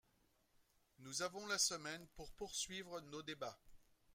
Nous avons la semaine pour poursuivre nos débats.